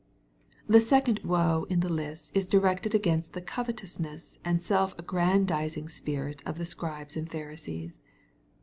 The second " woe" in the list is directed against the covetousness and self agg randi zing spirit of the Scribes and Pharisees.